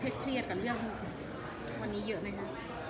เครียดกับเรื่องวันนี้เยอะไหมคะ